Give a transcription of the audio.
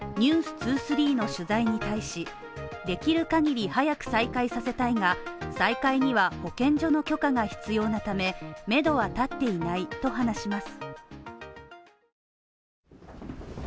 ２３の取材に対しできる限り早く再開させたいが再開には保健所の許可が必要なためめどは立っていないと話します